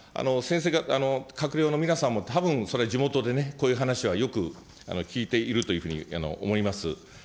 閣僚の皆さんもたぶん、それは地元でね、こういう話はよく聞いているというふうに思います。